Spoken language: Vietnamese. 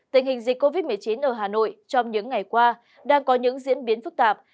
tình hình dịch covid một mươi chín ở hà nội trong những ngày qua đang có những diễn biến phức tạp